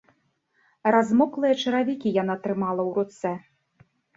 Размоклыя чаравікі яна трымала ў руцэ.